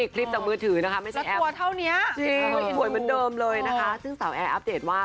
คลิปจากมือถือนะคะไม่ใช่แอปจริงหัวเหมือนเดิมเลยนะคะซึ่งสาวแอร์อัพเดทว่า